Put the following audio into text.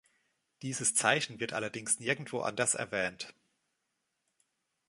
Dieses Zeichen wird allerdings nirgendwo anders erwähnt.